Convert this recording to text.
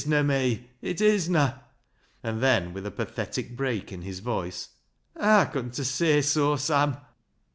ia me.\ It isna" — And then with a pathetic break in his voice —" Haa con ta say soa, Sam